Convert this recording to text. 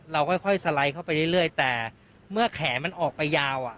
เราค่อยสไลด์เข้าไปเรื่อยแต่เมื่อแขนมันออกไปยาวอ่ะ